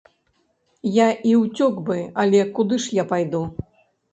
Я і ўцёк бы, але куды ж я пайду?